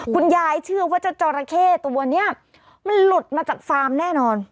เชื่อว่าเจ้าจอราเข้ตัวนี้มันหลุดมาจากฟาร์มแน่นอน